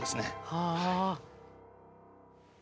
はあ。